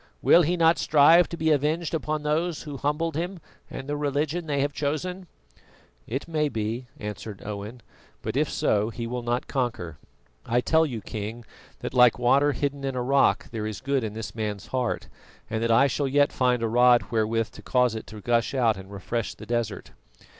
Will he not strive to be avenged upon those who humbled him and the religion they have chosen?" "It may be," answered Owen, "but if so, he will not conquer. I tell you, King, that like water hidden in a rock there is good in this man's heart, and that I shall yet find a rod wherewith to cause it to gush out and refresh the desert."